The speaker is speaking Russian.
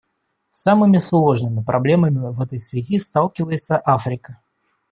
С самыми сложными проблемами в этой связи сталкивается Африка.